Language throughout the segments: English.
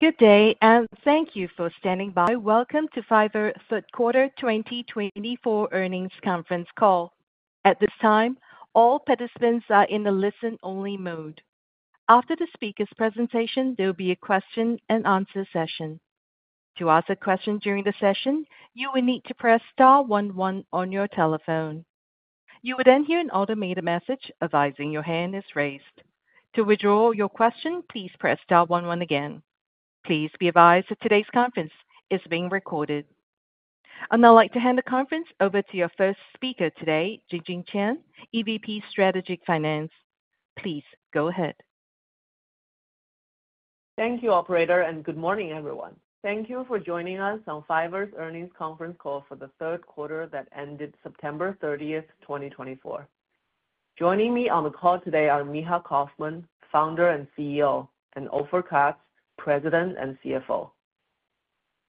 Good day, and thank you for standing by. Welcome to Fiverr Q3 2024 Earnings Conference Call. At this time, all participants are in the listen-only mode. After the speaker's presentation, there will be a Q&A session. To ask a question during the session, you will need to press star one one on your telephone. You will then hear an automated message advising your hand is raised. To withdraw your question, please press star one one again. Please be advised that today's conference is being recorded. And I'd like to hand the conference over to your first speaker today, Jinjin Qian, EVP Strategic Finance. Please go ahead. Thank you, Operator, and good morning, everyone. Thank you for joining us on Fiverr's Earnings Conference Call for the Q3 that ended September 30th, 2024. Joining me on the call today are Micha Kaufman, Founder and CEO, and Ofer Katz, President and CFO.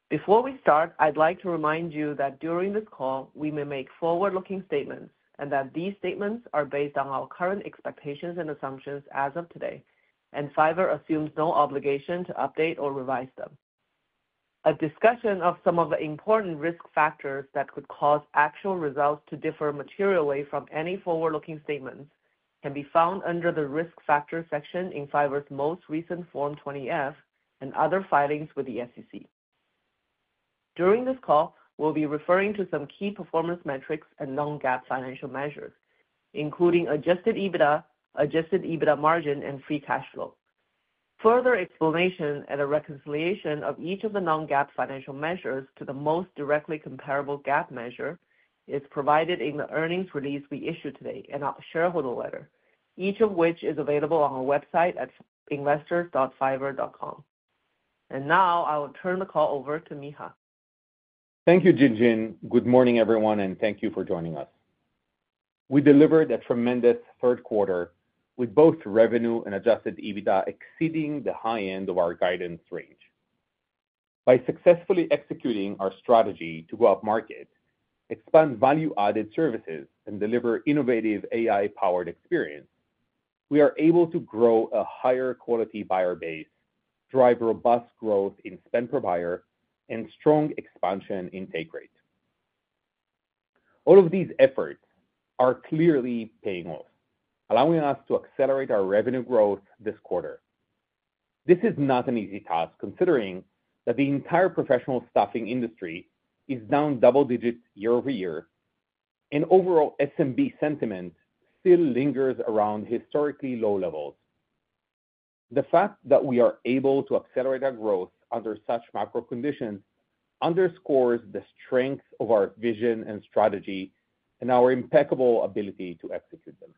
Before we start, I'd like to remind you that during this call, we may make forward-looking statements and that these statements are based on our current expectations and assumptions as of today, and Fiverr assumes no obligation to update or revise them. A discussion of some of the important risk factors that could cause actual results to differ materially from any forward-looking statements can be found under the risk factor section in Fiverr's most recent Form 20-F and other filings with the SEC. During this call, we'll be referring to some key performance metrics and non-GAAP financial measures, including Adjusted EBITDA, Adjusted EBITDA margin, and free cash flow. Further explanation and a reconciliation of each of the non-GAAP financial measures to the most directly comparable GAAP measure is provided in the earnings release we issued today and our shareholder letter, each of which is available on our website at investors.fiverr.com. Now I will turn the call over to Micha. Thank you, Jinjin. Good morning, everyone, and thank you for joining us. We delivered a tremendous Q3 with both revenue and adjusted EBITDA exceeding the high end of our guidance range. By successfully executing our strategy to go up market, expand value-added services, and deliver innovative AI-powered experience, we are able to grow a higher quality buyer base, drive robust growth in spend per buyer, and strong expansion in take rate. All of these efforts are clearly paying off, allowing us to accelerate our revenue growth this quarter. This is not an easy task considering that the entire professional staffing industry is down double digits year over year, and overall SMB sentiment still lingers around historically low levels. The fact that we are able to accelerate our growth under such macro conditions underscores the strength of our vision and strategy and our impeccable ability to execute them.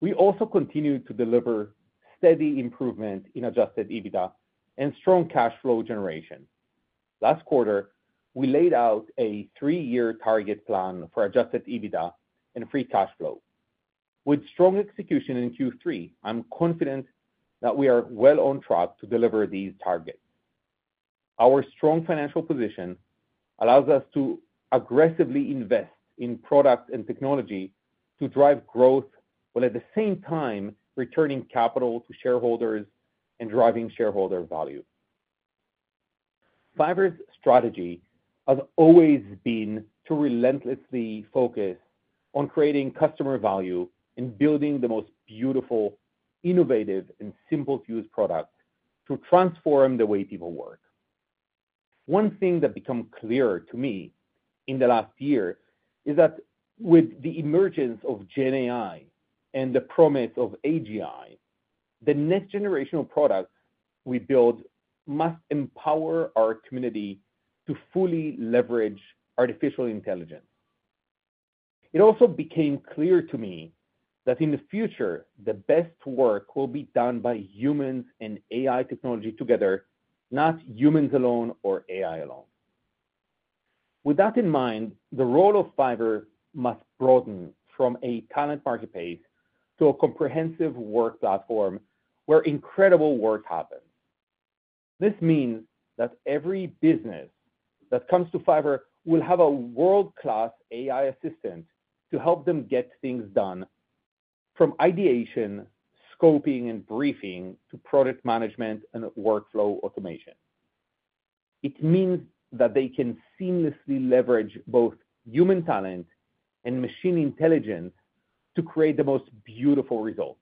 We also continue to deliver steady improvement in Adjusted EBITDA and strong cash flow generation. Last quarter, we laid out a three-year target plan for Adjusted EBITDA and Free Cash Flow. With strong execution in Q3, I'm confident that we are well on track to deliver these targets. Our strong financial position allows us to aggressively invest in product and technology to drive growth while at the same time returning capital to shareholders and driving shareholder value. Fiverr's strategy has always been to relentlessly focus on creating customer value and building the most beautiful, innovative, and simple-to-use products to transform the way people work. One thing that became clear to me in the last year is that with the emergence of GenAI and the promise of AGI, the next generation of products we build must empower our community to fully leverage artificial intelligence. It also became clear to me that in the future, the best work will be done by humans and AI technology together, not humans alone or AI alone. With that in mind, the role of Fiverr must broaden from a talent marketplace to a comprehensive work platform where incredible work happens. This means that every business that comes to Fiverr will have a world-class AI assistant to help them get things done from ideation, scoping, and briefing to product management and workflow automation. It means that they can seamlessly leverage both human talent and machine intelligence to create the most beautiful results.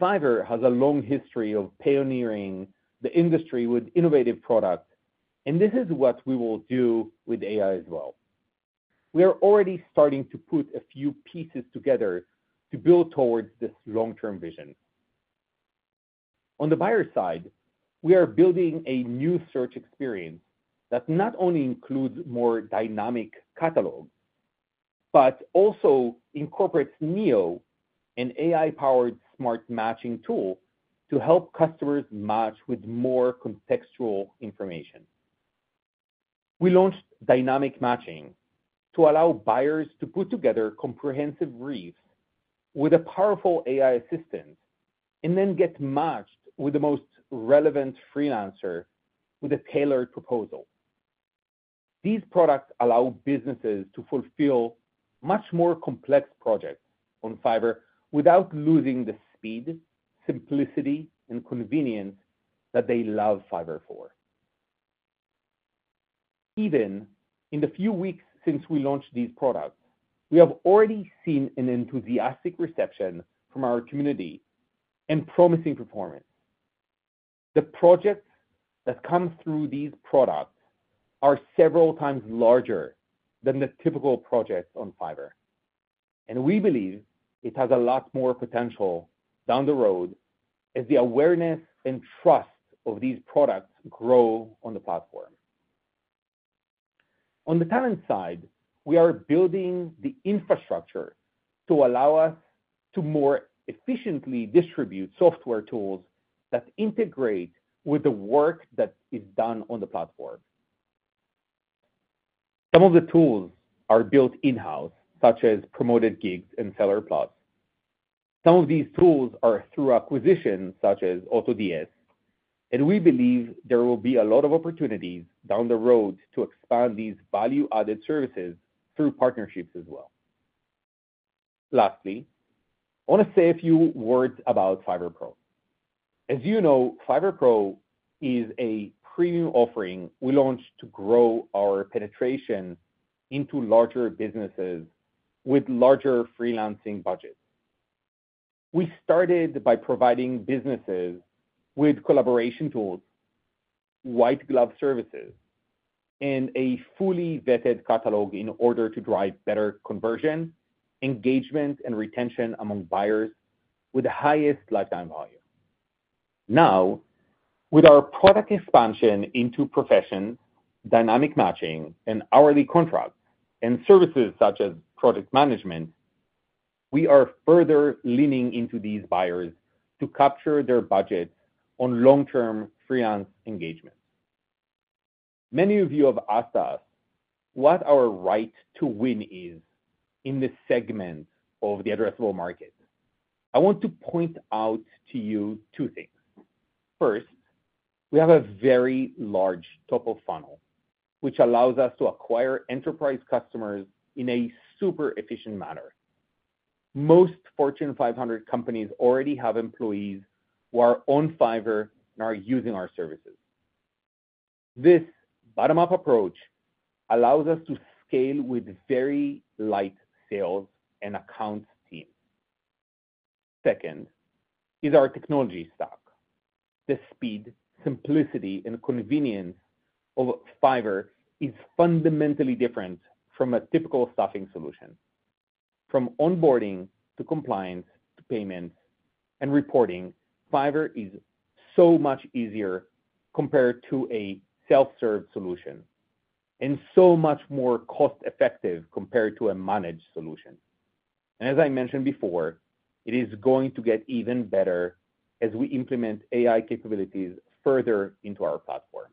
Fiverr has a long history of pioneering the industry with innovative products, and this is what we will do with AI as well. We are already starting to put a few pieces together to build towards this long-term vision. On the buyer side, we are building a new search experience that not only includes more dynamic catalogs but also incorporates Neo, an AI-powered smart matching tool to help customers match with more contextual information. We launched Dynamic Matching to allow buyers to put together comprehensive briefs with a powerful AI assistant and then get matched with the most relevant freelancer with a tailored proposal. These products allow businesses to fulfill much more complex projects on Fiverr without losing the speed, simplicity, and convenience that they love Fiverr for. Even in the few weeks since we launched these products, we have already seen an enthusiastic reception from our community and promising performance. The projects that come through these products are several times larger than the typical projects on Fiverr, and we believe it has a lot more potential down the road as the awareness and trust of these products grow on the platform. On the talent side, we are building the infrastructure to allow us to more efficiently distribute software tools that integrate with the work that is done on the platform. Some of the tools are built in-house, such as Promoted Gigs and Seller Plus. Some of these tools are through acquisitions, such as AutoDS, and we believe there will be a lot of opportunities down the road to expand these value-added services through partnerships as well. Lastly, I want to say a few words about Fiverr Pro. As you know, Fiverr Pro is a premium offering we launched to grow our penetration into larger businesses with larger freelancing budgets. We started by providing businesses with collaboration tools, white-glove services, and a fully vetted catalog in order to drive better conversion, engagement, and retention among buyers with the highest lifetime value. Now, with our product expansion into Professions, Dynamic Matching, and hourly contracts, and services such as product management, we are further leaning into these buyers to capture their budgets on long-term freelance engagements. Many of you have asked us what our right to win is in this segment of the addressable market. I want to point out to you two things. First, we have a very large top-of-funnel, which allows us to acquire enterprise customers in a super efficient manner. Most Fortune 500 companies already have employees who are on Fiverr and are using our services. This bottom-up approach allows us to scale with very light sales and accounts teams. Second is our technology stack. The speed, simplicity, and convenience of Fiverr is fundamentally different from a typical staffing solution. From onboarding to compliance to payments and reporting, Fiverr is so much easier compared to a self-serve solution and so much more cost-effective compared to a managed solution. And as I mentioned before, it is going to get even better as we implement AI capabilities further into our platform.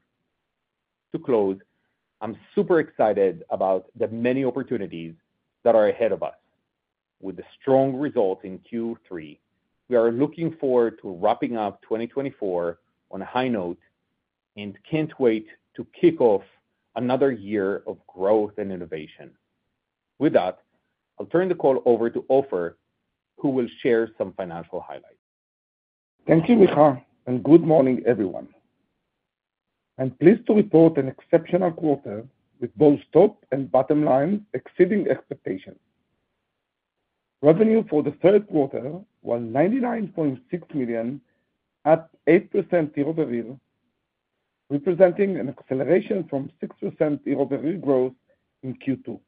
To close, I'm super excited about the many opportunities that are ahead of us. With the strong results in Q3, we are looking forward to wrapping up 2024 on a high note and can't wait to kick off another year of growth and innovation. With that, I'll turn the call over to Ofer, who will share some financial highlights. Thank you, Micha, and good morning, everyone. I'm pleased to report an exceptional quarter with both top and bottom lines exceeding expectations. Revenue for the Q3 was $99.6 million at 8% year over year, representing an acceleration from 6% year over year growth in Q2.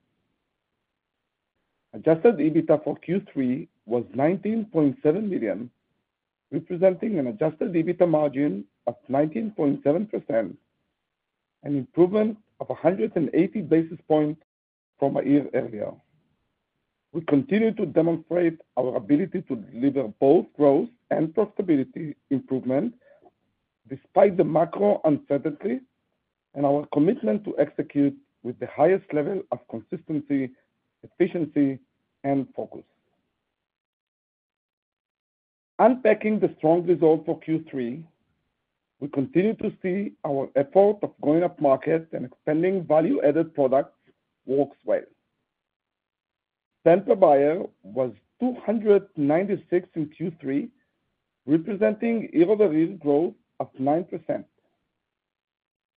Adjusted EBITDA for Q3 was $19.7 million, representing an adjusted EBITDA margin of 19.7%, an improvement of 180 basis points from a year earlier. We continue to demonstrate our ability to deliver both growth and profitability improvement despite the macro uncertainty and our commitment to execute with the highest level of consistency, efficiency, and focus. Unpacking the strong results for Q3, we continue to see our effort of going up market and expanding value-added products works well. Spend per buyer was 296 in Q3, representing year over year growth of 9%.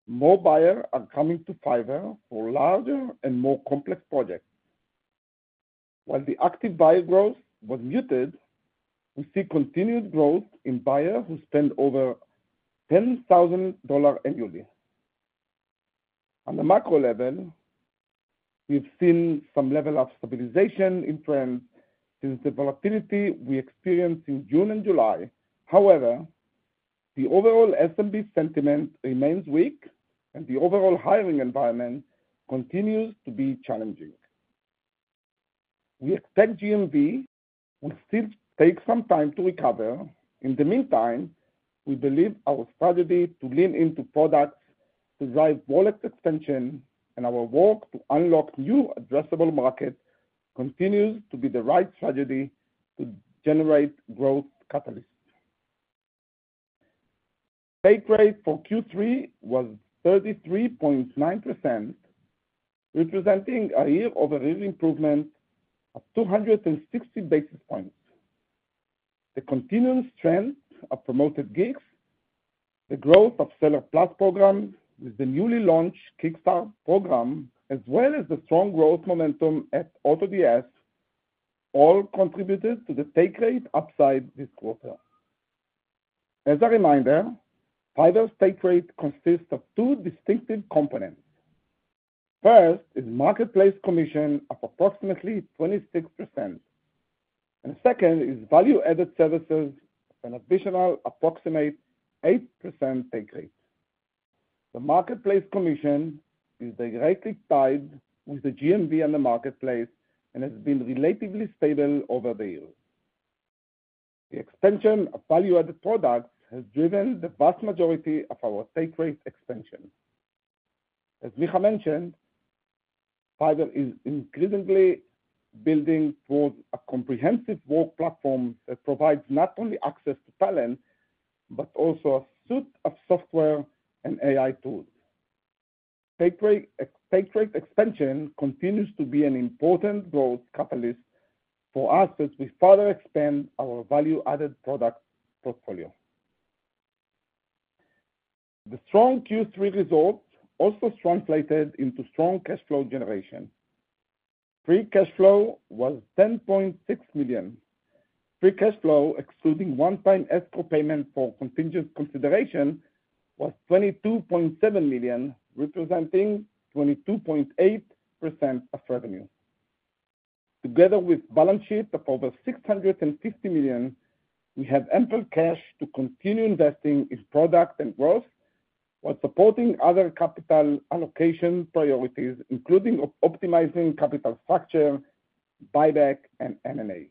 More buyers are coming to Fiverr for larger and more complex projects. While the active buyer growth was muted, we see continued growth in buyers who spend over $10,000 annually. On the macro level, we've seen some level of stabilization in trends since the volatility we experienced in June and July. However, the overall SMB sentiment remains weak, and the overall hiring environment continues to be challenging. We expect GMV will still take some time to recover. In the meantime, we believe our strategy to lean into products to drive wallet extension and our work to unlock new addressable markets continues to be the right strategy to generate growth catalysts. The take rate for Q3 was 33.9%, representing a year over year improvement of 260 basis points. The continued strength of Promoted Gigs, the growth of Seller Plus program with the newly launched Kickstart program, as well as the strong growth momentum at AutoDS, all contributed to the take rate upside this quarter. As a reminder, Fiverr's take rate consists of two distinctive components. First is marketplace commission of approximately 26%, and the second is value-added services with an additional approximate 8% take rate. The marketplace commission is directly tied with the GMV on the marketplace and has been relatively stable over the years. The expansion of value-added products has driven the vast majority of our take rate expansion. As Micha mentioned, Fiverr is increasingly building towards a comprehensive work platform that provides not only access to talent but also a suite of software and AI tools. Take rate expansion continues to be an important growth catalyst for us as we further expand our value-added product portfolio. The strong Q3 results also translated into strong cash flow generation. Free cash flow was $10.6 million. Free cash flow, excluding one-time escrow payment for contingent consideration, was $22.7 million, representing 22.8% of revenue. Together with a balance sheet of over $650 million, we have ample cash to continue investing in product and growth while supporting other capital allocation priorities, including optimizing capital structure, buyback, and M&A.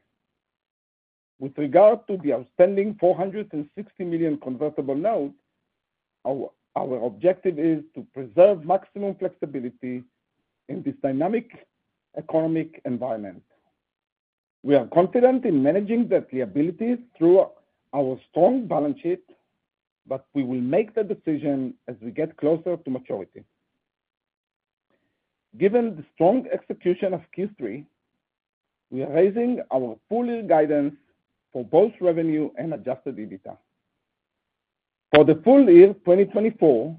With regard to the outstanding $460 million convertible notes, our objective is to preserve maximum flexibility in this dynamic economic environment. We are confident in managing that liability through our strong balance sheet, but we will make that decision as we get closer to maturity. Given the strong execution of Q3, we are raising our full-year guidance for both revenue and Adjusted EBITDA. For the full year 2024,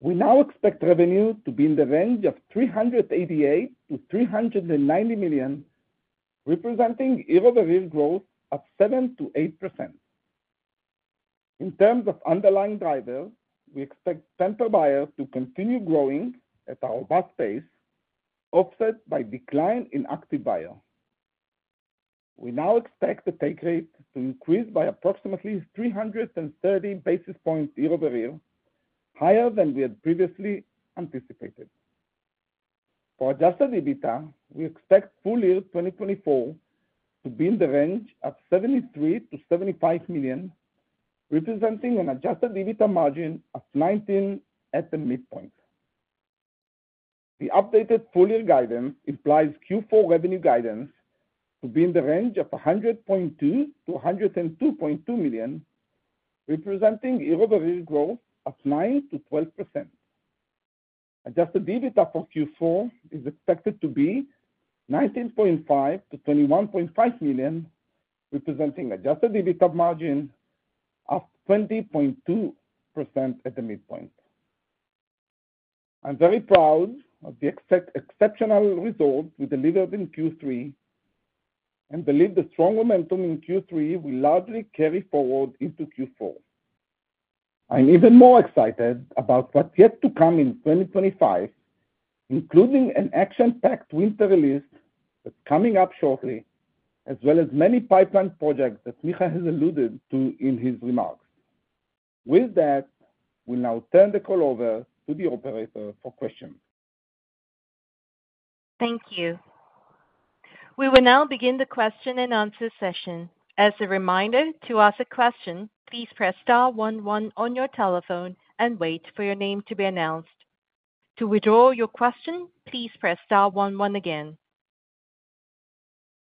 we now expect revenue to be in the range of $388-$390 million, representing year over year growth of 7%-8%. In terms of underlying drivers, we expect spend per buyer to continue growing at our usual pace, offset by a decline in active buyers. We now expect the take rate to increase by approximately 330 basis points year over year, higher than we had previously anticipated. For adjusted EBITDA, we expect full year 2024 to be in the range of $73-$75 million, representing an adjusted EBITDA margin of 19% at the midpoint. The updated full-year guidance implies Q4 revenue guidance to be in the range of $100.2-$102.2 million, representing year over year growth of 9%-12%. Adjusted EBITDA for Q4 is expected to be $19.5-$21.5 million, representing adjusted EBITDA margin of 20.2% at the midpoint. I'm very proud of the exceptional results we delivered in Q3 and believe the strong momentum in Q3 will largely carry forward into Q4. I'm even more excited about what's yet to come in 2025, including an action-packed winter release that's coming up shortly, as well as many pipeline projects that Micha has alluded to in his remarks. With that, we'll now turn the call over to the operator for questions. Thank you. We will now begin the Q&A session. As a reminder, to ask a question, please press star one one on your telephone and wait for your name to be announced. To withdraw your question, please press star one one again.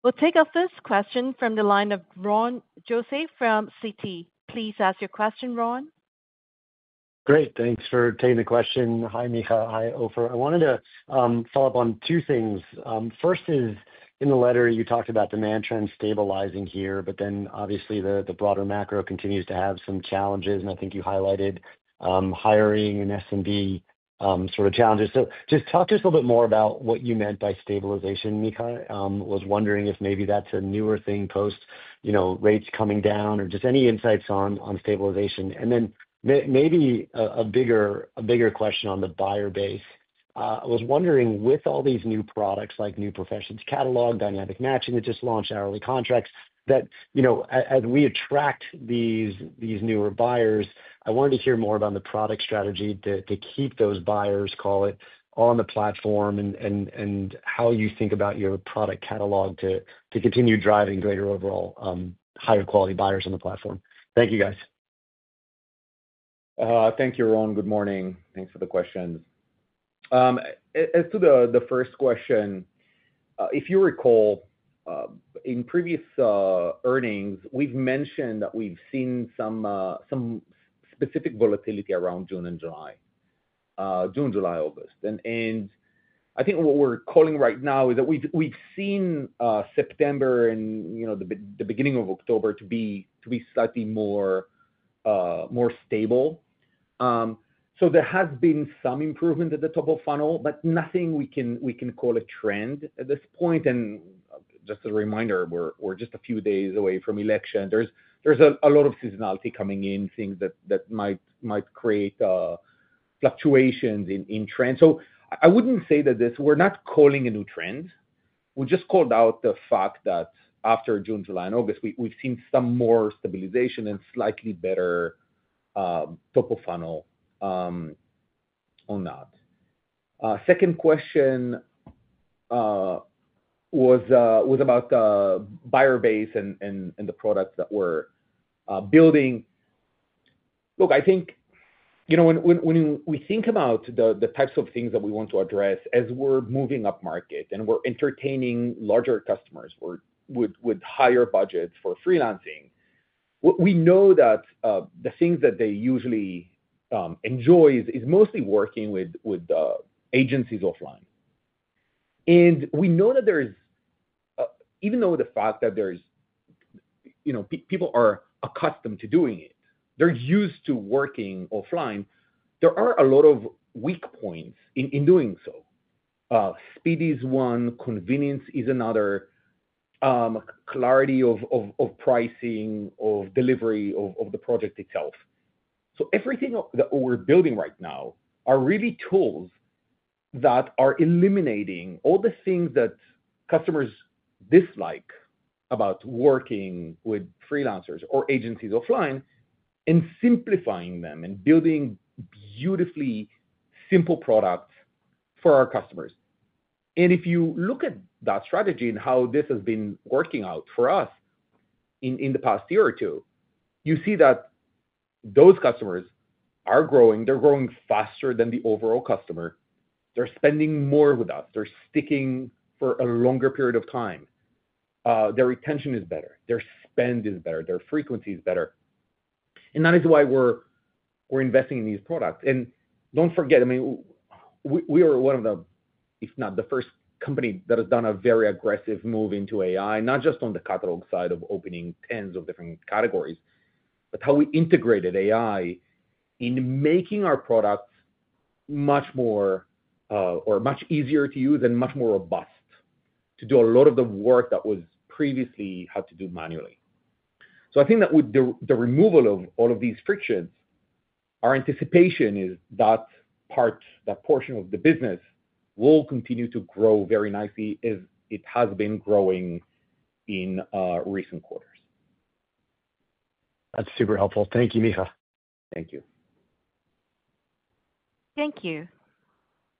We'll take our first question from the line of Ron Josey from Citi. Please ask your question, Ron. Great. Thanks for taking the question. Hi, Micha. Hi, Ofer. I wanted to follow up on two things. First is, in the letter, you talked about demand trends stabilizing here, but then obviously the broader macro continues to have some challenges. And I think you highlighted hiring and SMB sort of challenges. So just talk to us a little bit more about what you meant by stabilization, Micha. I was wondering if maybe that's a newer thing post rates coming down or just any insights on stabilization. And then maybe a bigger question on the buyer base. I was wondering, with all these new products like new professions, catalog, Dynamic Matching, that just launched hourly contracts, that as we attract these newer buyers, I wanted to hear more about the product strategy to keep those buyers, call it, on the platform and how you think about your product catalog to continue driving greater overall higher quality buyers on the platform. Thank you, guys. Thank you, Ron. Good morning. Thanks for the questions. As to the first question, if you recall, in previous earnings, we've mentioned that we've seen some specific volatility around June and July, June, July, August, and I think what we're calling right now is that we've seen September and the beginning of October to be slightly more stable, so there has been some improvement at the top of funnel, but nothing we can call a trend at this point. And just as a reminder, we're just a few days away from election. There's a lot of seasonality coming in, things that might create fluctuations in trends, so I wouldn't say that we're not calling a new trend. We just called out the fact that after June, July, and August, we've seen some more stabilization and slightly better top of funnel on that. Second question was about buyer base and the products that we're building. Look, I think when we think about the types of things that we want to address as we're moving up market and we're entertaining larger customers with higher budgets for freelancing, we know that the things that they usually enjoy is mostly working with agencies offline. And we know that there's, even though the fact that people are accustomed to doing it, they're used to working offline, there are a lot of weak points in doing so. Speed is one. Convenience is another. Clarity of pricing, of delivery of the project itself, so everything that we're building right now are really tools that are eliminating all the things that customers dislike about working with freelancers or agencies offline and simplifying them and building beautifully simple products for our customers. If you look at that strategy and how this has been working out for us in the past year or two, you see that those customers are growing. They're growing faster than the overall customer. They're spending more with us. They're sticking for a longer period of time. Their retention is better. Their spend is better. Their frequency is better. And that is why we're investing in these products. And don't forget, I mean, we are one of the, if not the first company that has done a very aggressive move into AI, not just on the catalog side of opening tens of different categories, but how we integrated AI in making our products much more or much easier to use and much more robust to do a lot of the work that was previously had to do manually. So I think that with the removal of all of these frictions, our anticipation is that part, that portion of the business will continue to grow very nicely as it has been growing in recent quarters. That's super helpful. Thank you, Micha. Thank you. Thank you.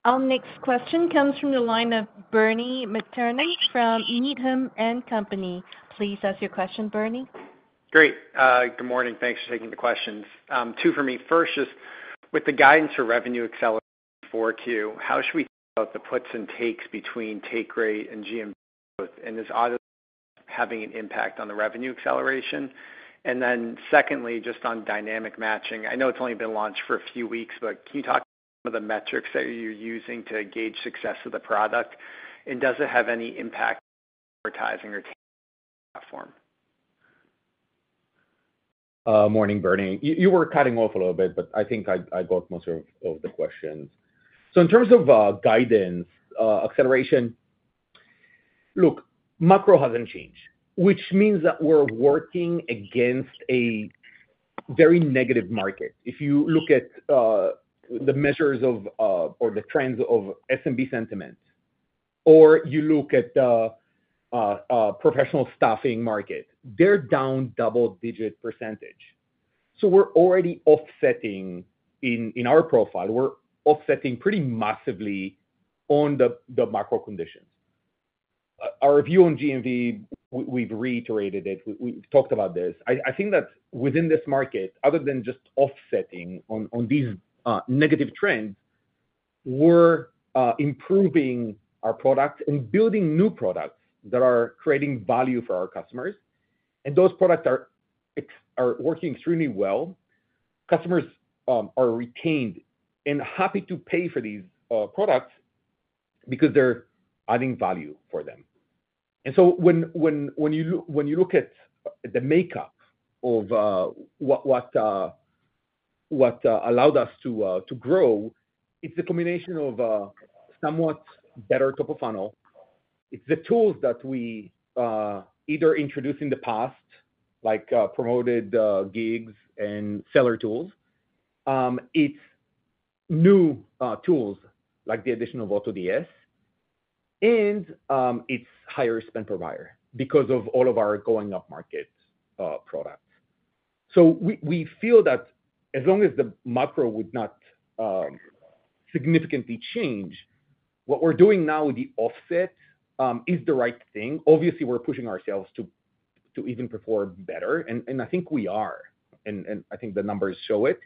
Our next question comes from the line of Bernie McTernan from Needham & Company. Please ask your question, Bernie. Great. Good morning. Thanks for taking the questions. Two for me. First, just with the guidance for revenue acceleration for Q4, how should we think about the puts and takes between take rate and GMV growth, and is AutoDS acceleration having an impact on the revenue acceleration? And then secondly, just on Dynamic Matching. I know it's only been launched for a few weeks, but can you talk about some of the metrics that you're using to gauge the success of the product, and does it have any impact on advertising or platform? Morning, Bernie. You were cutting off a little bit, but I think I got most of the questions. So in terms of guidance, acceleration, look, macro hasn't changed, which means that we're working against a very negative market. If you look at the measures or the trends of SMB sentiment, or you look at the professional staffing market, they're down double-digit %. So we're already offsetting in our profile. We're offsetting pretty massively on the macro conditions. Our view on GMV, we've reiterated it. We've talked about this. I think that within this market, other than just offsetting on these negative trends, we're improving our products and building new products that are creating value for our customers. And those products are working extremely well. Customers are retained and happy to pay for these products because they're adding value for them. And so when you look at the makeup of what allowed us to grow, it's the combination of a somewhat better top of funnel. It's the tools that we either introduced in the past, like promoted gigs and seller tools. It's new tools, like the addition of AutoDS, and it's higher spend per buyer because of all of our going-up market products. So we feel that as long as the macro would not significantly change, what we're doing now with the offset is the right thing. Obviously, we're pushing ourselves to even perform better, and I think we are, and I think the numbers show it.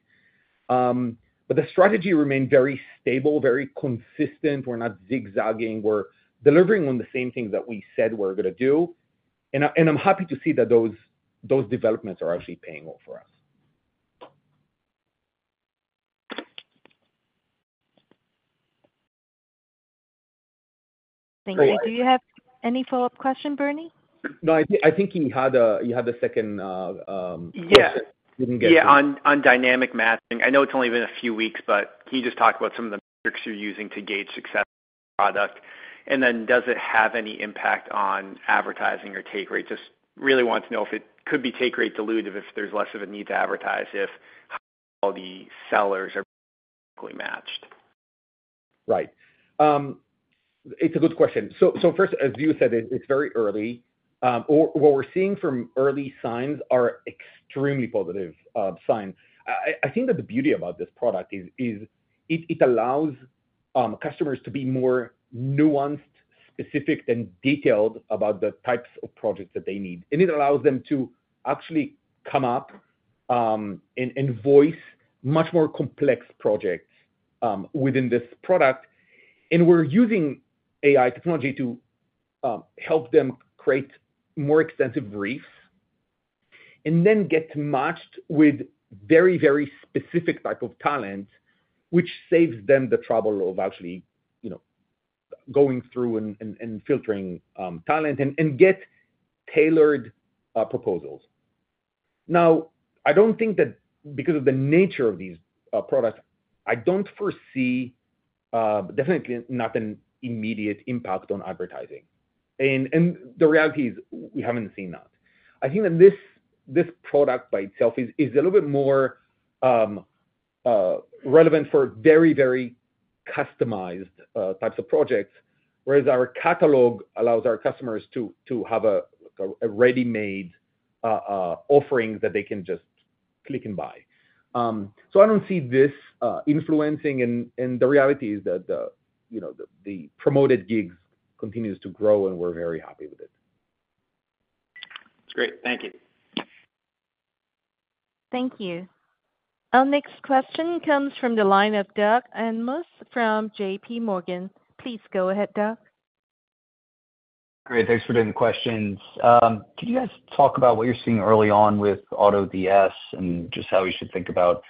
But the strategy remained very stable, very consistent. We're not zigzagging. We're delivering on the same things that we said we're going to do. And I'm happy to see that those developments are actually paying off for us. Thank you. Do you have any follow-up question, Bernie? No, I think he had a second question. He didn't get to it. On Dynamic Matching. I know it's only been a few weeks, but can you just talk about some of the metrics you're using to gauge success of the product? And then does it have any impact on advertising or take rate? Just really want to know if it could be take rate dilutive if there's less of a need to advertise if the sellers are perfectly matched? Right. It's a good question. So first, as you said, it's very early. What we're seeing from early signs are extremely positive signs. I think that the beauty about this product is it allows customers to be more nuanced, specific, and detailed about the types of projects that they need. And it allows them to actually come up and voice much more complex projects within this product. And we're using AI technology to help them create more extensive briefs and then get matched with very, very specific types of talent, which saves them the trouble of actually going through and filtering talent and get tailored proposals. Now, I don't think that because of the nature of these products, I don't foresee, definitely not an immediate impact on advertising. And the reality is we haven't seen that. I think that this product by itself is a little bit more relevant for very, very customized types of projects, whereas our catalog allows our customers to have a ready-made offering that they can just click and buy. So I don't see this influencing. And the reality is that the promoted gigs continue to grow, and we're very happy with it. That's great. Thank you. Thank you. Our next question comes from the line of Doug Anmuth from JPMorgan. Please go ahead, Doug. Great. Thanks for the questions. Could you guys talk about what you're seeing early on with AutoDS and just how you should think about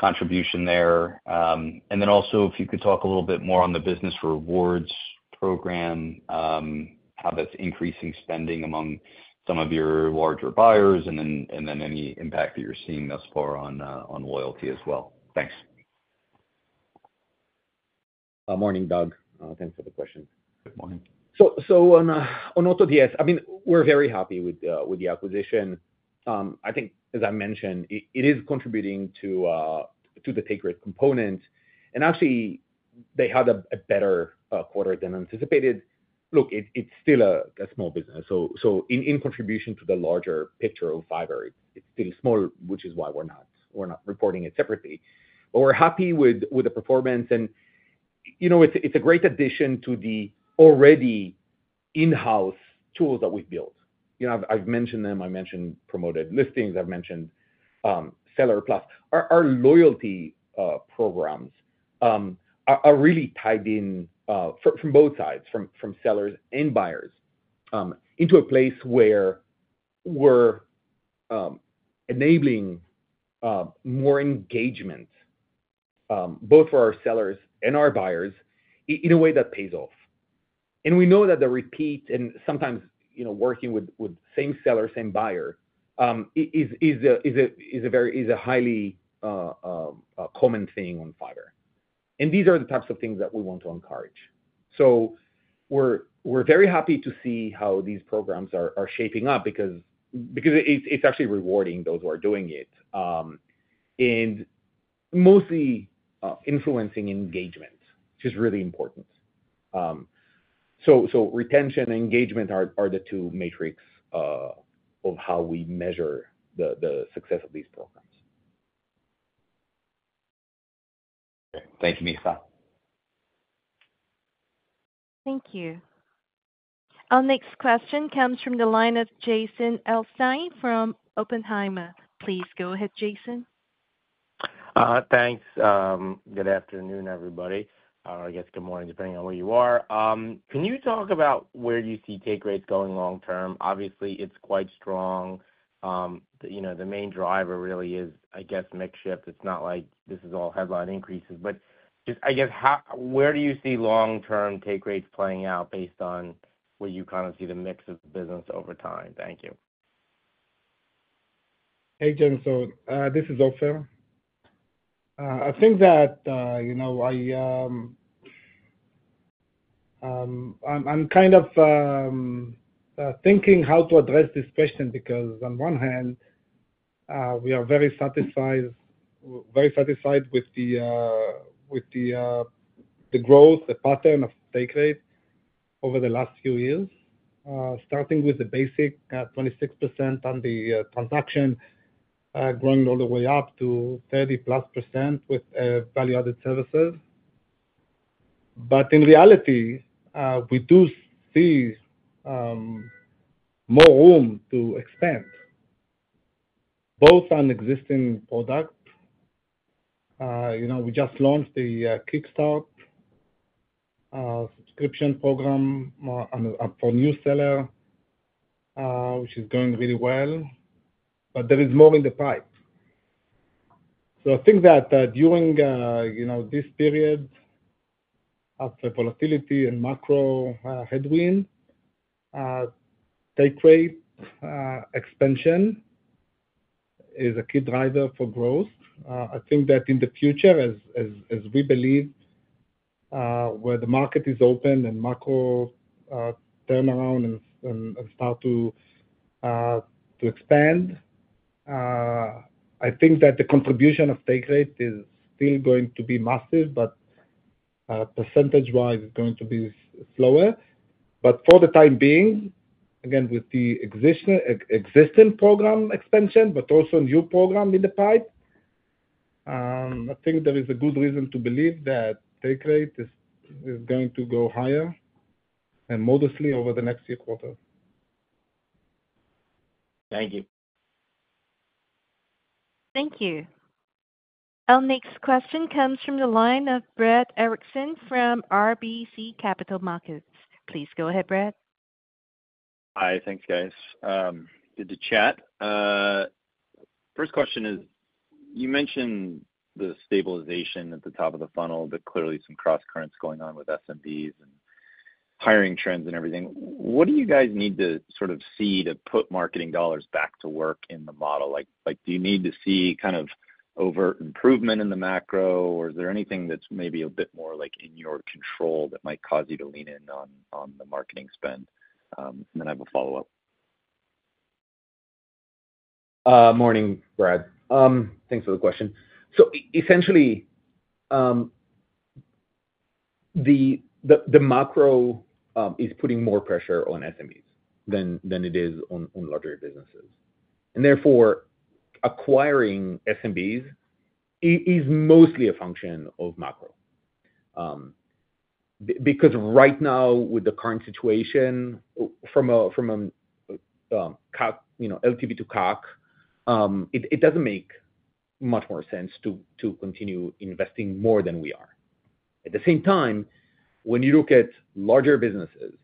contribution there? And then also, if you could talk a little bit more on the business rewards program, how that's increasing spending among some of your larger buyers, and then any impact that you're seeing thus far on loyalty as well. Thanks. Morning, Doug. Thanks for the question. Good morning. On AutoDS, I mean, we're very happy with the acquisition. I think, as I mentioned, it is contributing to the take rate component. Actually, they had a better quarter than anticipated. Look, it's still a small business. In contribution to the larger picture of Fiverr, it's still small, which is why we're not reporting it separately. We're happy with the performance. It's a great addition to the already in-house tools that we've built. I've mentioned them. I mentioned Promoted Gigs. I've mentioned Seller Plus. Our loyalty programs are really tied in from both sides, from sellers and buyers, into a place where we're enabling more engagement, both for our sellers and our buyers, in a way that pays off. We know that the repeat and sometimes working with same seller, same buyer is a highly common thing on Fiverr. These are the types of things that we want to encourage. So we're very happy to see how these programs are shaping up because it's actually rewarding those who are doing it and mostly influencing engagement, which is really important. So retention and engagement are the two metrics of how we measure the success of these programs. Thank you, Micha. Thank you. Our next question comes from the line of Jason Helfstein from Oppenheimer. Please go ahead, Jason. Thanks. Good afternoon, everybody. Depending on where you are. Can you talk about where you see take rates going long-term? Obviously, it's quite strong. The main driver really is mix shift. It's not like this is all headline increases. But just where do you see long-term take rates playing out based on where you see the mix of business over time? Thank you. Hey, Jason. This is Ofer. I think that I'm thinking how to address this question because, on one hand, we are very satisfied with the growth, the pattern of take rate over the last few years, starting with the basic 26% on the transaction, growing all the way up to 30-plus% with value-added services. But in reality, we do see more room to expand, both on existing products. We just launched the Kickstart subscription program for new sellers, which is going really well, but there is more in the pipe. So I think that during this period, after volatility and macro headwind, take rate expansion is a key driver for growth. I think that in the future, as we believe, where the market is open and macro turnaround and start to expand, I think that the contribution of take rate is still going to be massive, but percentage-wise, it's going to be slower. But for the time being, again, with the existing program expansion, but also a new program in the pipe, I think there is a good reason to believe that take rate is going to go higher and modestly over the next few quarters. Thank you. Thank you. Our next question comes from the line of Brad Erickson from RBC Capital Markets. Please go ahead, Brad. Hi. Thanks, guys, to the chat. First question is, you mentioned the stabilization at the top of the funnel, but clearly some cross currents going on with SMBs and hiring trends and everything. What do you guys need to sort of see to put marketing dollars back to work in the model? Do you need to see overt improvement in the macro, or is there anything that's maybe a bit more in your control that might cause you to lean in on the marketing spend? And then I have a follow-up. Morning, Brad. Thanks for the question. So essentially, the macro is putting more pressure on SMBs than it is on larger businesses. And therefore, acquiring SMBs is mostly a function of macro. Because right now, with the current situation, from LTV to CAC, it doesn't make much more sense to continue investing more than we are. At the same time, when you look at larger businesses,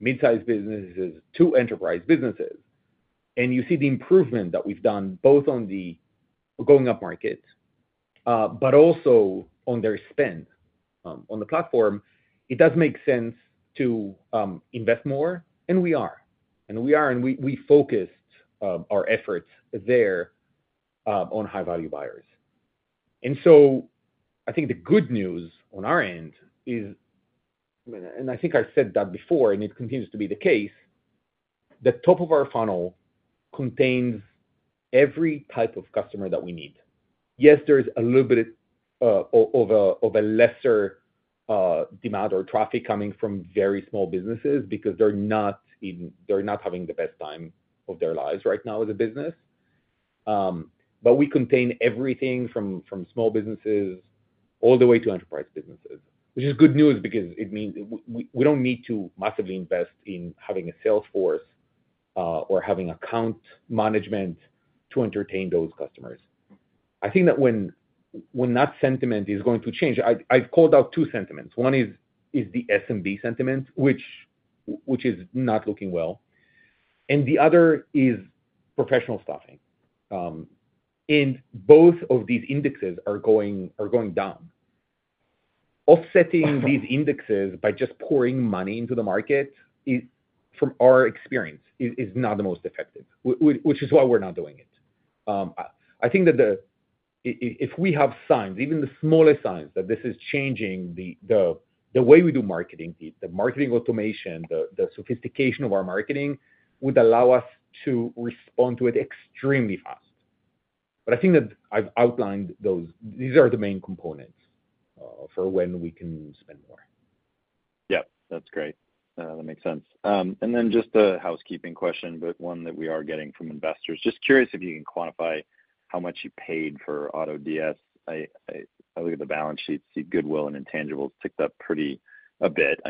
mid-size businesses, to enterprise businesses, and you see the improvement that we've done both on the go-to-market, but also on their spend on the platform, it does make sense to invest more. And we are. And we are. And we focused our efforts there on high-value buyers. And so I think the good news on our end is, and I think I said that before, and it continues to be the case, the top of our funnel contains every type of customer that we need. Yes, there's a little bit of a lesser demand or traffic coming from very small businesses because they're not having the best time of their lives right now as a business. But we contain everything from small businesses all the way to enterprise businesses, which is good news because it means we don't need to massively invest in having a salesforce or having account management to entertain those customers. I think that when that sentiment is going to change, I've called out two sentiments. One is the SMB sentiment, which is not looking well. And the other is professional staffing. And both of these indexes are going down. Offsetting these indexes by just pouring money into the market, from our experience, is not the most effective, which is why we're not doing it. I think that if we have signs, even the smallest signs, that this is changing the way we do marketing. The marketing automation, the sophistication of our marketing, would allow us to respond to it extremely fast, but I think that I've outlined those. These are the main components for when we can spend more. That's great. That makes sense. And then just a housekeeping question, but one that we are getting from investors. Just curious if you can quantify how much you paid for AutoDS. I look at the balance sheets, see goodwill and intangibles ticked up quite a bit.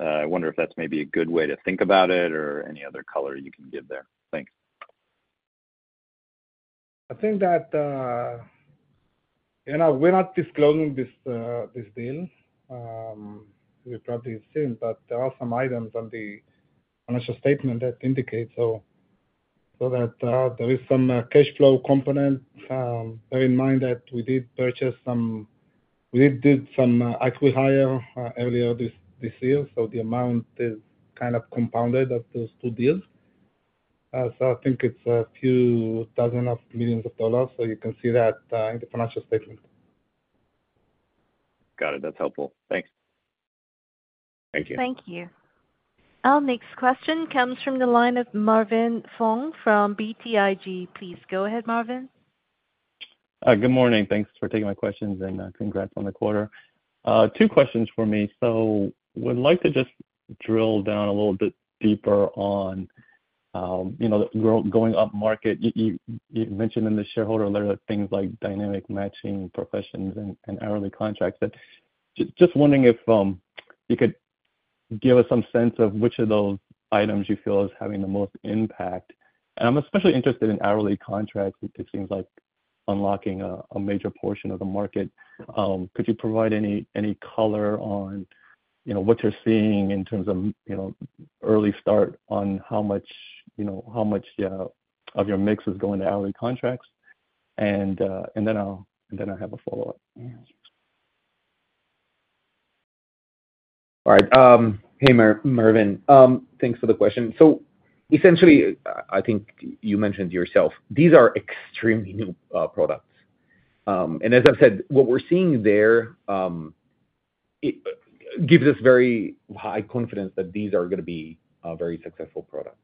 I wonder if that's maybe a good way to think about it or any other color you can give there. Thanks. I think that we're not disclosing this deal. We probably have seen, but there are some items on the financial statement that indicate. So there is some cash flow component. Bear in mind that we did purchase some. We did some acquisition earlier this year. So the amount is compounded of those two deals. So I think it's a few dozen million dollars. So you can see that in the financial statement. Got it. That's helpful. Thanks. Thank you. Thank you. Our next question comes from the line of Marvin Fong from BTIG. Please go ahead, Marvin. Good morning. Thanks for taking my questions and congrats on the quarter. Two questions for me. So we'd like to just drill down a little bit deeper on the going upmarket. You mentioned in the shareholder letter things like Dynamic Matching, Promoted Gigs, and hourly contracts. Just wondering if you could give us some sense of which of those items you feel is having the most impact. And I'm especially interested in hourly contracts. It seems like unlocking a major portion of the market. Could you provide any color on what you're seeing in terms of early stats on how much of your mix is going to hourly contracts? And then I'll have a follow-up. All right. Hey, Marvin. Thanks for the question. So essentially, I think you mentioned yourself, these are extremely new products. And as I've said, what we're seeing there gives us very high confidence that these are going to be very successful products.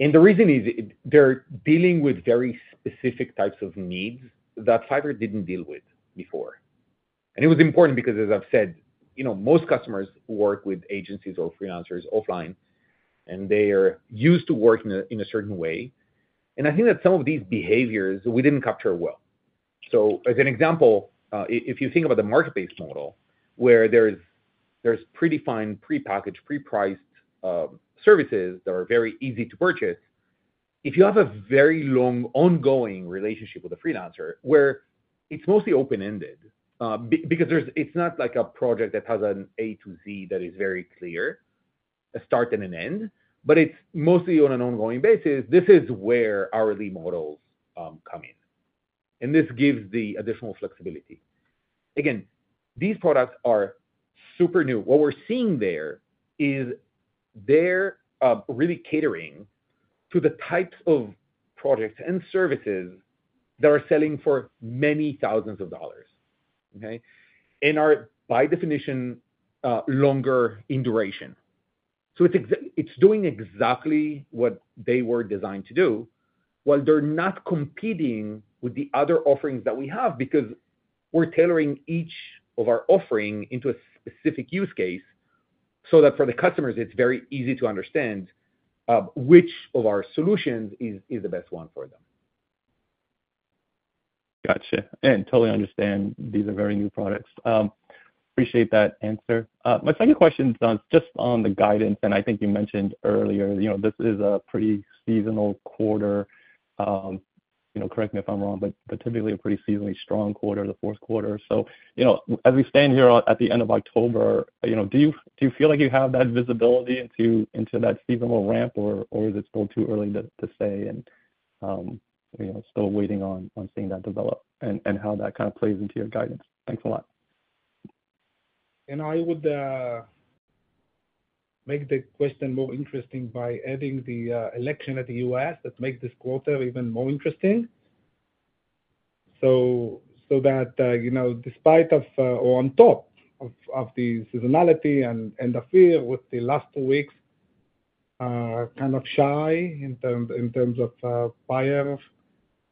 And the reason is they're dealing with very specific types of needs that Fiverr didn't deal with before. And it was important because, as I've said, most customers work with agencies or freelancers offline, and they are used to working in a certain way. And I think that some of these behaviors, we didn't capture well. As an example, if you think about the marketplace model, where there's predefined, prepackaged, prepriced services that are very easy to purchase, if you have a very long ongoing relationship with a freelancer where it's mostly open-ended because it's not like a project that has an A to Z that is very clear, a start and an end, but it's mostly on an ongoing basis, this is where hourly models come in. This gives the additional flexibility. Again, these products are super new. What we're seeing there is they're really catering to the types of projects and services that are selling for many thousands of dollars, okay, and are by definition longer in duration. It's doing exactly what they were designed to do while they're not competing with the other offerings that we have because we're tailoring each of our offerings into a specific use case so that for the customers, it's very easy to understand which of our solutions is the best one for them. Gotcha. And totally understand. These are very new products. Appreciate that answer. My second question is just on the guidance. And I think you mentioned earlier, this is a pretty seasonal quarter. Correct me if I'm wrong, but typically a pretty seasonally strong quarter, the Q4. So as we stand here at the end of October, do you feel like you have that visibility into that seasonal ramp, or is it still too early to say and still waiting on seeing that develop and how that plays into your guidance? Thanks a lot. I would make the question more interesting by adding the election in the United States that makes this quarter even more interesting, so that despite or on top of the seasonality and the fear with the last two weeks, shy in terms of buyer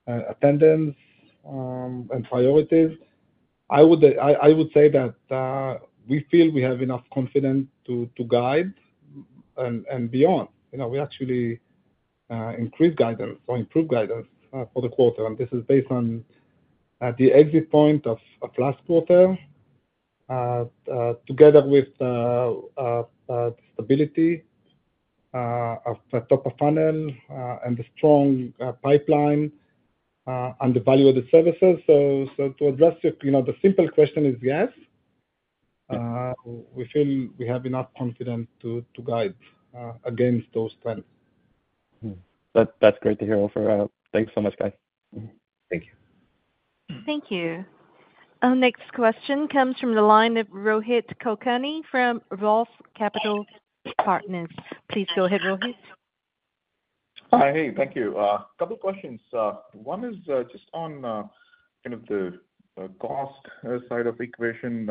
attendance and priorities. I would say that we feel we have enough confidence to guide and beyond. We actually increased guidance or improved guidance for the quarter. And this is based on the exit point of last quarter together with the stability of the top of funnel and the strong pipeline and the value of the services. So to address the simple question is yes. We feel we have enough confidence to guide against those trends. That's great to hear, Ofer. Thanks so much, guys. Thank you. Thank you. Our next question comes from the line of Rohit Kulkarni from Roth Capital Partners. Please go ahead, Rohit. Hi. Hey, thank you. A couple of questions. One is just on the cost side of the equation.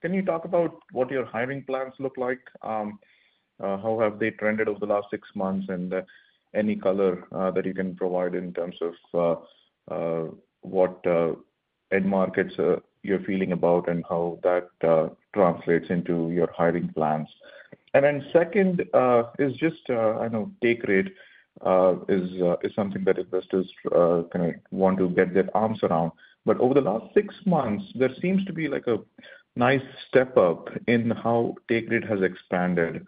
Can you talk about what your hiring plans look like? How have they trended over the last six months? And any color that you can provide in terms of what end markets you're feeling about and how that translates into your hiring plans? And then second is just, I know take rate is something that investors want to get their arms around. But over the last six months, there seems to be a nice step up in how take rate has expanded.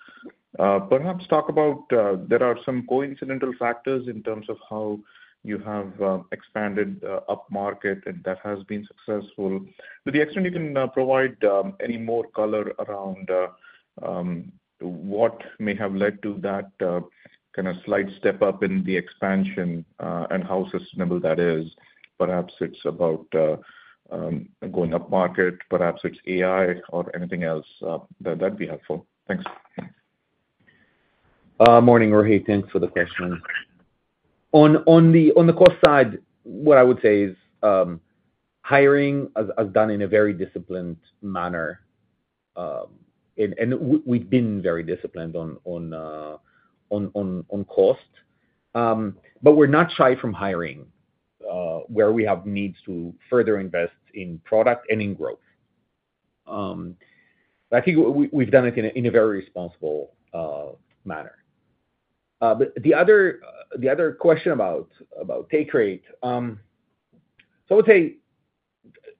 Perhaps talk about there are some coincidental factors in terms of how you have expanded up market and that has been successful. To the extent you can provide any more color around what may have led to that slight step up in the expansion and how sustainable that is. Perhaps it's about going up market. Perhaps it's AI or anything else. That'd be helpful. Thanks. Morning, Rohit. Thanks for the question. On the cost side, what I would say is hiring has done in a very disciplined manner, and we've been very disciplined on cost. But we're not shy from hiring where we have needs to further invest in product and in growth. I think we've done it in a very responsible manner. But the other question about take rate, so I would say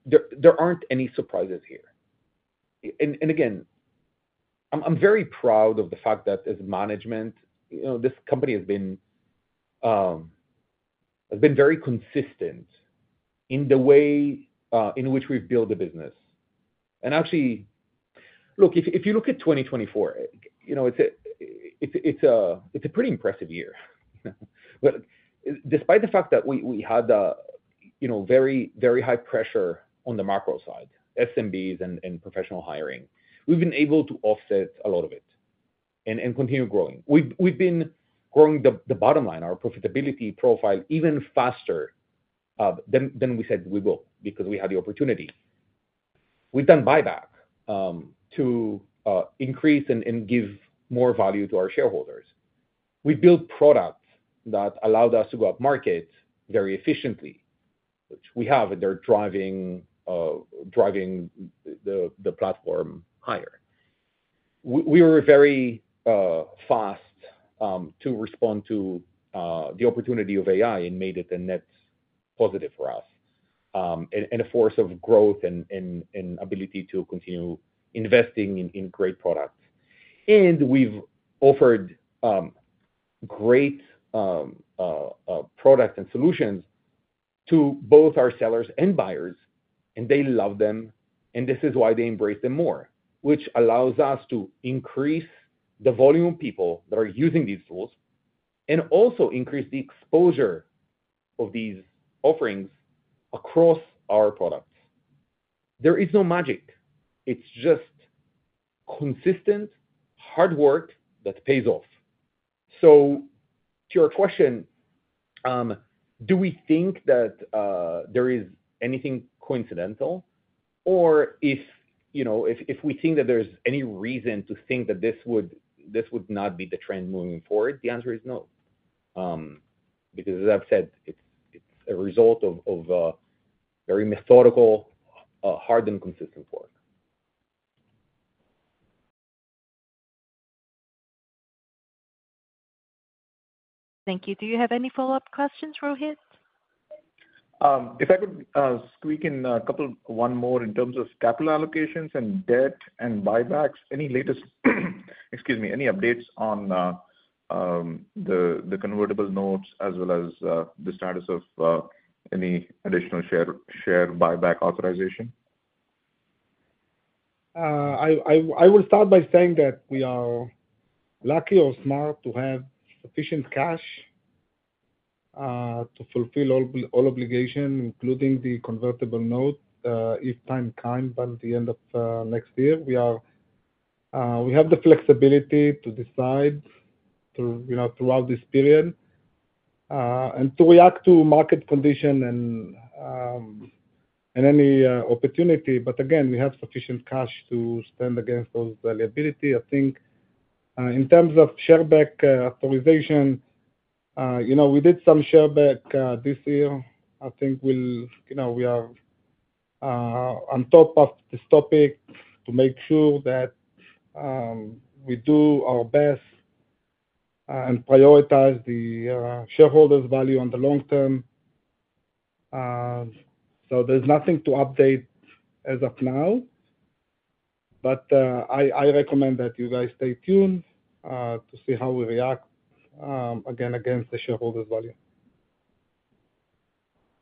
there aren't any surprises here, and again, I'm very proud of the fact that as management, this company has been very consistent in the way in which we've built the business. And actually, look, if you look at 2024, it's a pretty impressive year. But despite the fact that we had very, very high pressure on the macro side, SMBs and professional hiring, we've been able to offset a lot of it and continue growing. We've been growing the bottom line, our profitability profile, even faster than we said we will because we had the opportunity. We've done buyback to increase and give more value to our shareholders. We built products that allowed us to go up market very efficiently, which we have, and they're driving the platform higher. We were very fast to respond to the opportunity of AI and made it a net positive for us and a force of growth and ability to continue investing in great products. And we've offered great products and solutions to both our sellers and buyers, and they love them. And this is why they embrace them more, which allows us to increase the volume of people that are using these tools and also increase the exposure of these offerings across our products. There is no magic. It's just consistent hard work that pays off. So to your question, do we think that there is anything coincidental? Or if we think that there's any reason to think that this would not be the trend moving forward, the answer is no. Because as I've said, it's a result of very methodical, hard and consistent work. Thank you. Do you have any follow-up questions, Rohit? If I could squeak in one more in terms of capital allocations and debt and buybacks, any latest excuse me, any updates on the convertible notes as well as the status of any additional share buyback authorization? I will start by saying that we are lucky or smart to have sufficient cash to fulfill all obligations, including the convertible note, if time comes by the end of next year. We have the flexibility to decide throughout this period and to react to market conditions and any opportunity. But again, we have sufficient cash to stand against those liabilities. I think in terms of share buyback authorization, we did some share buyback this year. I think we are on top of this topic to make sure that we do our best and prioritize the shareholders' value on the long term. So there's nothing to update as of now. But I recommend that you guys stay tuned to see how we react, again, against the shareholders' value.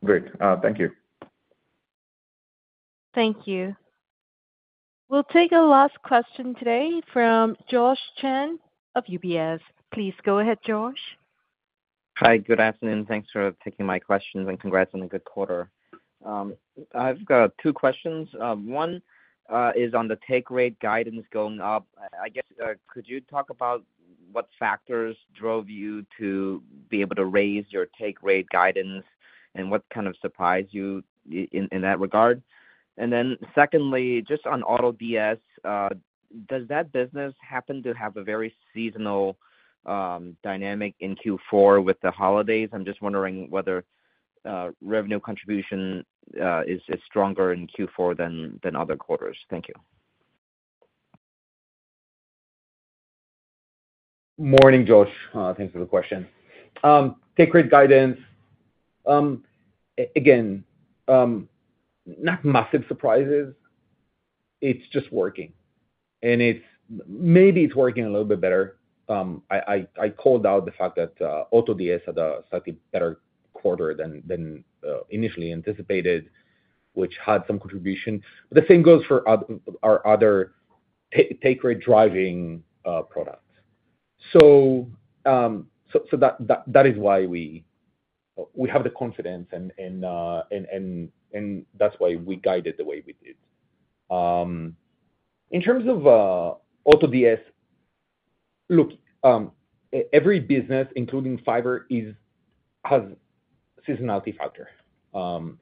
Great. Thank you. Thank you. We'll take a last question today from Joshua Chen of UBS. Please go ahead, Josh. Hi, good afternoon. Thanks for taking my questions and congrats on the good quarter. I've got two questions. One is on the take rate guidance going up. Could you talk about what factors drove you to be able to raise your take rate guidance and what surprised you in that regard? And then secondly, just on AutoDS, does that business happen to have a very seasonal dynamic in Q4 with the holidays? I'm just wondering whether revenue contribution is stronger in Q4 than other quarters. Thank you. Morning, Josh. Thanks for the question. Take rate guidance. Again, not massive surprises. It's just working. And maybe it's working a little bit better. I called out the fact that AutoDS had a slightly better quarter than initially anticipated, which had some contribution. But the same goes for our other take rate driving products. So that is why we have the confidence, and that's why we guided the way we did. In terms of AutoDS, look, every business, including Fiverr, has a seasonality factor. And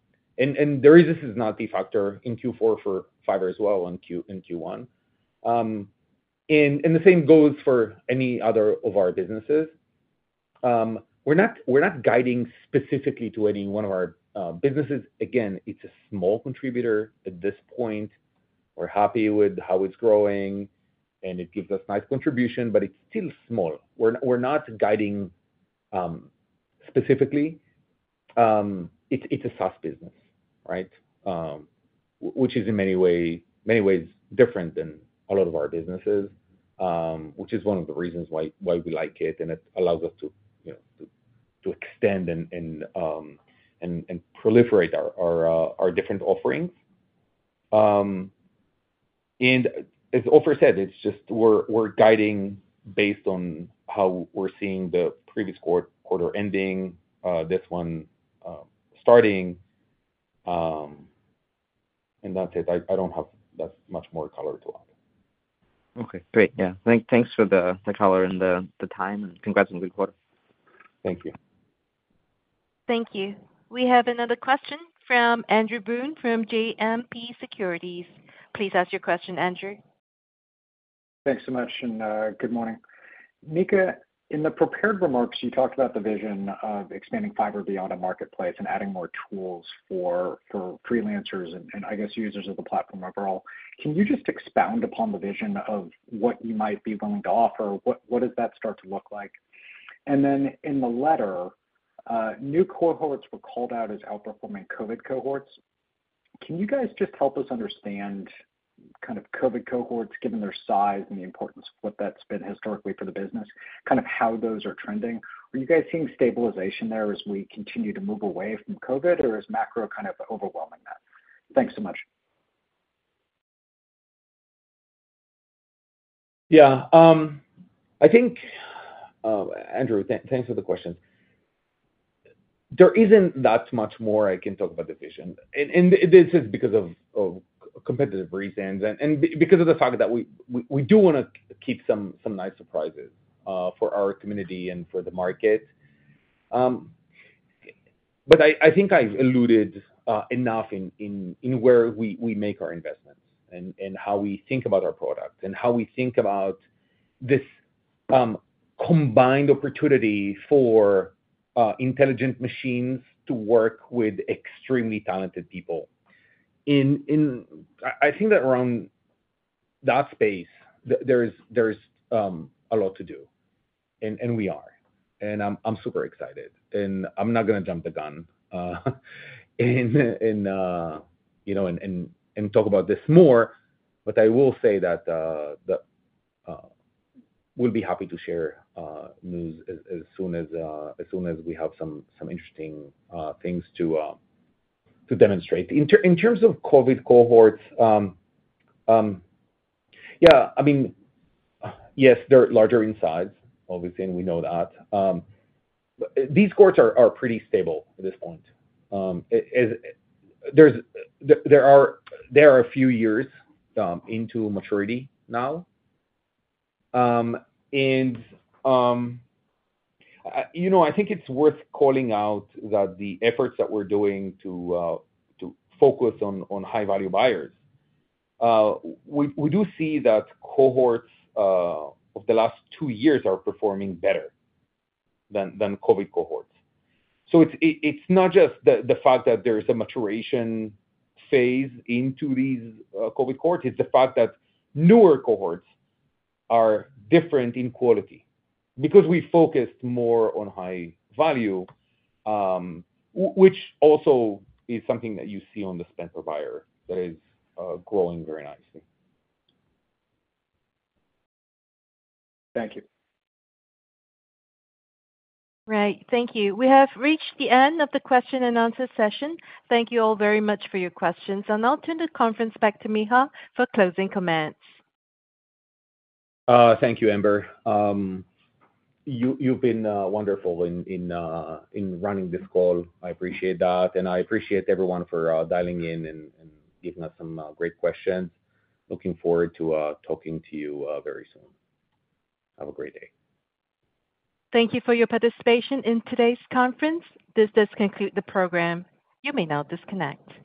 there is a seasonality factor in Q4 for Fiverr as well and Q1. And the same goes for any other of our businesses. We're not guiding specifically to any one of our businesses. Again, it's a small contributor at this point. We're happy with how it's growing, and it gives us nice contribution, but it's still small. We're not guiding specifically. It's a SaaS business, right, which is in many ways different than a lot of our businesses, which is one of the reasons why we like it. And it allows us to extend and proliferate our different offerings. And as Ofer said, it's just we're guiding based on how we're seeing the previous quarter ending, this one starting. And that's it. I don't have much more color to add. Great.Thanks for the color and the time, and congrats on the good quarter. Thank you. Thank you. We have another question from Andrew Boone from JMP Securities. Please ask your question, Andrew. Thanks so much, and good morning. Micha, in the prepared remarks, you talked about the vision of expanding Fiverr beyond a marketplace and adding more tools for freelancers and users of the platform overall. Can you just expound upon the vision of what you might be willing to offer? What does that start to look like? And then in the letter, new cohorts were called out as outperforming COVID cohorts. Can you guys just help us understand COVID cohorts, given their size and the importance of what that's been historically for the business, how those are trending? Are you guys seeing stabilization there as we continue to move away from COVID, or is macro overwhelming that? Thanks so much. Andrew, thanks for the question. There isn't that much more I can talk about the vision. And this is because of competitive reasons and because of the fact that we do want to keep some nice surprises for our community and for the market. But I think I've alluded enough in where we make our investments and how we think about our products and how we think about this combined opportunity for intelligent machines to work with extremely talented people. I think that around that space, there's a lot to do. And we are. And I'm super excited. And I'm not going to jump the gun and talk about this more. But I will say that we'll be happy to share news as soon as we have some interesting things to demonstrate. In terms of COVID cohorts, yes, they're larger in size, obviously, and we know that. These cohorts are pretty stable at this point. There are a few years into maturity now, and I think it's worth calling out that the efforts that we're doing to focus on high-value buyers, we do see that cohorts of the last two years are performing better than COVID cohorts, so it's not just the fact that there is a maturation phase into these COVID cohorts. It's the fact that newer cohorts are different in quality because we focused more on high value, which also is something that you see on the spend per buyer that is growing very nicely. Thank you. Right. Thank you. We have reached the end of the Q&A session. Thank you all very much for your questions. And I'll turn the conference back to Micha for closing comments. Thank you, Amber. You've been wonderful in running this call. I appreciate that, and I appreciate everyone for dialing in and giving us some great questions. Looking forward to talking to you very soon. Have a great day. Thank you for your participation in today's conference. This does conclude the program. You may now disconnect.